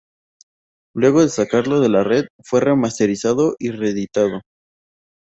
Luego de sacarlo de la red, fue remasterizado y reeditado.